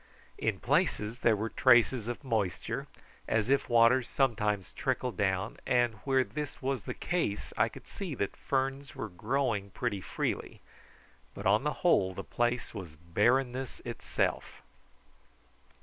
In places there were traces of moisture, as if water sometimes trickled down, and where this was the case I could see that ferns were growing pretty freely, but on the whole the place was barrennesss itself.